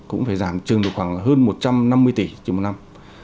cũng phải giảm trừng được khoảng hơn một trăm năm mươi tỷ trong một năm